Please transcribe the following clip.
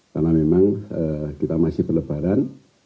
karena memang kita masih berlebaran